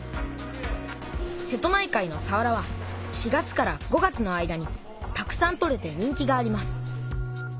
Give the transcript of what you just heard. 瀬戸内海のさわらは４月から５月の間にたくさん取れて人気があります。